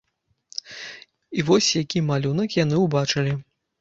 І вось які малюнак яны ўбачылі.